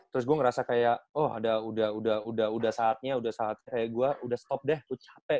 terus gue ngerasa kayak oh ada udah saatnya udah saat kayak gue udah stop deh capek